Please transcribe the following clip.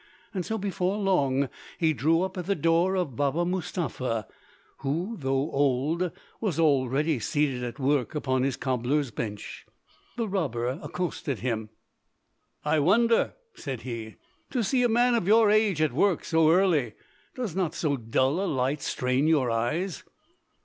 So, before long, he drew up at the door of Baba Mustapha, who, though old, was already seated at work upon his cobbler's bench. The robber accosted him. "I wonder," said he, "to see a man of your age at work so early. Does not so dull a light strain your eyes?"